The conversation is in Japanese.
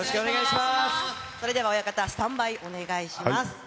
それでは親方、スタンバイおお願いします。